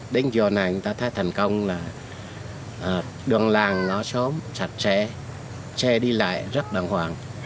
đến giờ này chúng ta thấy thành công là đường làng nó sống chặt chẽ chẽ đi lại rất đàng hoàng